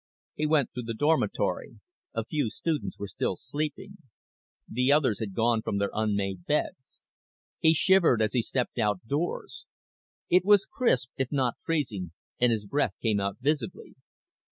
He went through the dormitory. A few students were still sleeping. The others had gone from their unmade beds. He shivered as he stepped outdoors. It was crisp, if not freezing, and his breath came out visibly.